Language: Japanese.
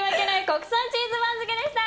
国産チーズ番付でした。